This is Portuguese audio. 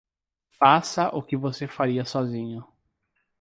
Faça o que você faria sozinho.